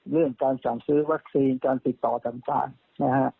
เรื่องการสั่งซื้อวัคซีนการติดต่อต่างนะฮะ